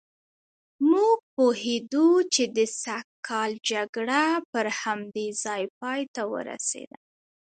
موږ پوهېدو چې د سږ کال جګړه پر همدې ځای پایته ورسېده.